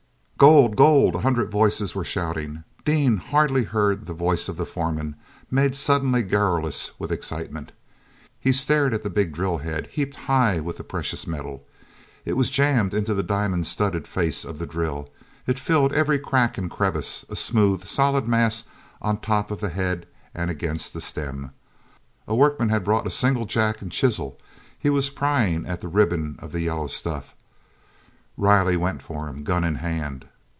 "Gold! Gold!" a hundred voices were shouting. Dean hardly heard the voice of the foreman, made suddenly garrulous with excitement. He stared at the big drill head, heaped high with the precious metal. It was jammed into the diamond studded face of the drill; it filled every crack and crevice, a smooth, solid mass on top of the head and against the stem. A workman had brought a singlejack and chisel; he was prying at a ribbon of the yellow stuff. Riley went for him, gun in hand.